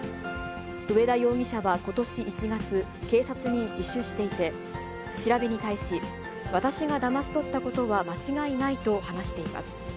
上田容疑者はことし１月、警察に自首していて、調べに対し、私がだまし取ったことは間違いないと話しています。